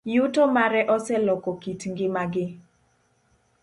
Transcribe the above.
Yuto mare oseloko kit ngimagi.